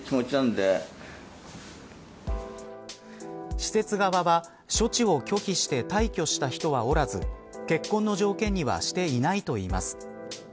施設側は、処置を拒否して退去した人はおらず結婚の条件にはしていないといいます。